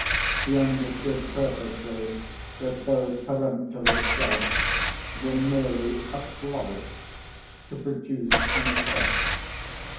He understood perfectly that those peremptory shouts were merely "a flourish" to produce an effect.